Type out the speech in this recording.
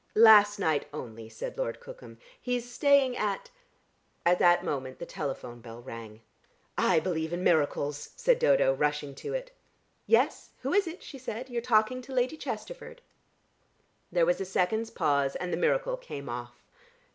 "Last night only," said Lord Cookham. "He's staying at " At that moment the telephone bell rang. "I believe in miracles," said Dodo rushing to it. "Yes, who is it?" she said. "You're talking to Lady Chesterford." There was a second's pause, and the miracle came off.